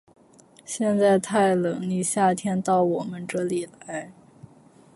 现在太冷，你夏天到我们这里来。